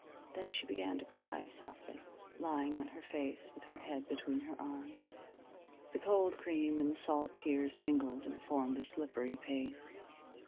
Then she began to cry softly, lying on her face with her head between her arms. The cold cream and the salt tears mingled and formed a slippery paste.